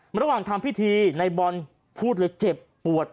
ระหว่างทำพิธีในบอลพูดเลยเจ็บปวด